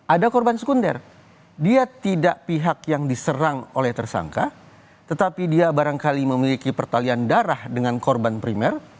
ada korban sekunder dia tidak pihak yang diserang oleh tersangka tetapi dia barangkali memiliki pertalian darah dengan korban primer